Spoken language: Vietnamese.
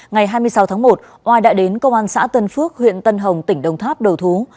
ngày hai mươi sáu tháng một oai đã đến công an xã tân phước huyện tân hồng tỉnh đông tháp đầu thú